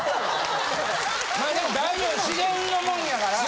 でも大丈夫自然のもんやから。